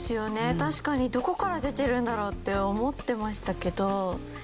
確かにどこから出てるんだろうって思ってましたけど。